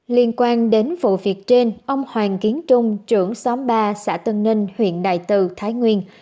liên quan đến vụ việc trên ông hoàng kiến trung trưởng xóm ba xã tân ninh huyện đại từ thái nguyên